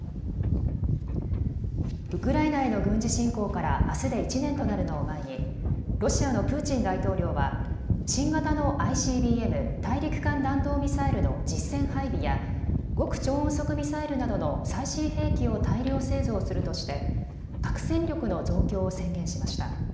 ウクライナへの軍事侵攻からあすで１年となるのを前にロシアのプーチン大統領は新型のＩＣＢＭ・大陸間弾道ミサイルの実戦配備や極超音速ミサイルなどの最新兵器を大量製造するとして核戦力の増強を宣言しました。